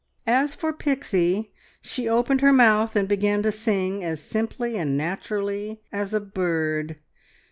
As for Pixie, she opened her mouth and began to sing as simply and naturally as a bird.